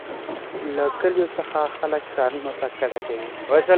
له کلیو څخه خلک ښارونو ته کډه کوي.